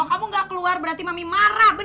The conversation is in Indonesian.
kamu baik baik kan